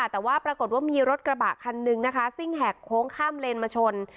แต่ว่าปรากฏว่ามีรถกระบะคันนึงนะคะซิ่งแหกโค้งข้ามเลนมาชน